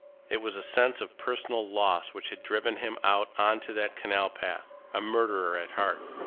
It was a sense of personal loss which had driven him out on to that canal path, a murderer at heart.